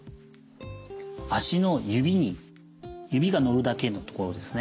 足の指に指がのるだけのところですね。